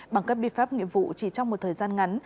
bằng các biệt pháp nghiệp vụ chỉ trong một thời gian ngắn